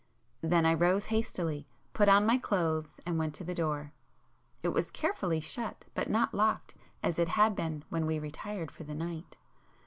Then I rose hastily, put on my clothes and went to the door,—it was carefully shut, but not locked as it had been when we retired for the night.